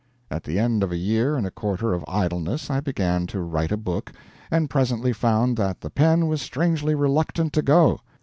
At the end of a year and a quarter of idleness I began to write a book, and presently found that the pen was strangely reluctant to go.